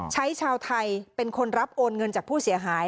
ชาวไทยเป็นคนรับโอนเงินจากผู้เสียหาย